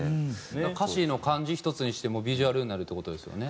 歌詞の漢字１つにしてもビジュアルになるって事ですよね。